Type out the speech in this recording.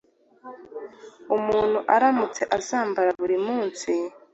umuntu aramutse azambara buri munsi